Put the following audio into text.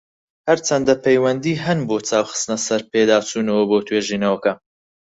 هەرچەندە، پەیوەندی هەن بۆ چاو خستنە سەر پێداچونەوە بۆ توێژینەوەکە.